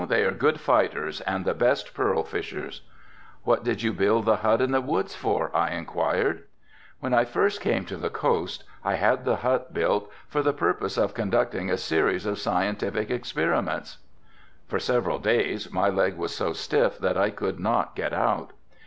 "They are good fighters and the best pearl fishers." "What did you build the hut in the woods for?" I inquired. "When I first came to the coast I had the hut built for the purpose of conducting a series of scientific experiments." For several days my leg was so stiff that I could not get out.